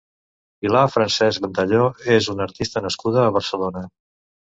Pilar Francesch Ventalló és una artista nascuda a Barcelona.